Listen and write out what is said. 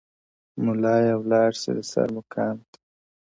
مُلا یې ولاړ سي د سر مقام ته -